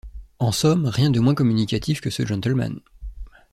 En somme, rien de moins communicatif que ce gentleman.